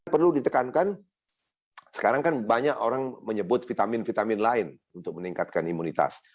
perlu ditekankan sekarang kan banyak orang menyebut vitamin vitamin lain untuk meningkatkan imunitas